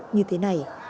như thế này